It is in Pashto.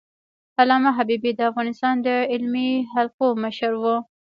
علامه حبيبي د افغانستان د علمي حلقو مشر و.